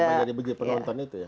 sama jadi begitu penonton itu ya